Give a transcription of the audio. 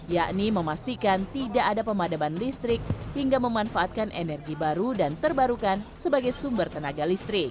yakni memastikan tidak ada pemadaban listrik hingga memanfaatkan energi baru dan terbarukan sebagai sumber tenaga listrik